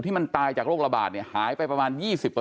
ที่มันตายจากโรคระบาดหายไปประมาณ๒๐